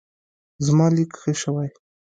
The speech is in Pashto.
زما لیک ښه شوی.